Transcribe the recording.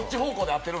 合ってる！